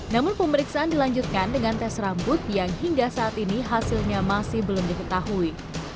namun pemeriksaan dilanjutkan dengan tes rambut yang hingga saat ini hasilnya masih belum diketahui